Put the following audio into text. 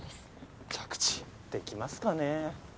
着地できますかね？